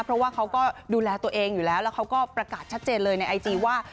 เพราะว่าเขาก็ดูแลตัวเองอยู่แล้วแล้วเขาก็ประกาศชัดเจนเลยในไอจีว่า